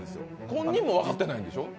本人も分かってないんでしょ？